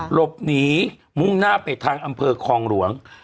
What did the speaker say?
หลบหนีมุ่งหน้าไปทางอำเภอคลองหลวง